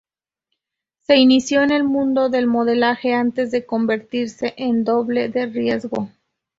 Se inició en el mundo del modelaje antes de convertirse en doble de riesgo.